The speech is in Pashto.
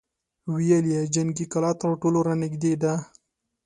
ويې ويل: جنګي کلا تر ټولو را نېږدې ده!